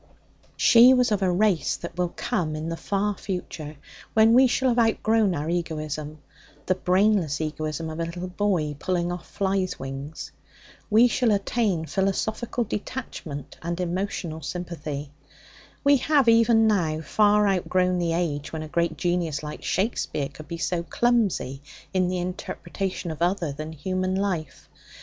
She was of a race that will come in the far future, when we shall have outgrown our egoism the brainless egoism of a little boy pulling off flies' wings. We shall attain philosophic detachment and emotional sympathy. We have even now far outgrown the age when a great genius like Shakespeare could be so clumsy in the interpretation of other than human life.